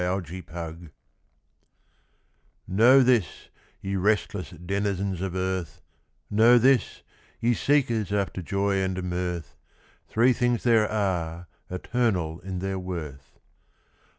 THREE THINGS Know this, ye restless denizens of earth, Know this, ye seekers after joy and mirth, Three things there are, eternal in their worth.